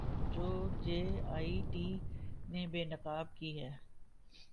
جو J I T نے بے نقاب کی ہیں